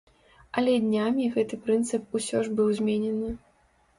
Але днямі гэты прынцып усё ж быў зменены.